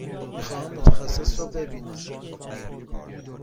می خواهم متخصص را ببینید.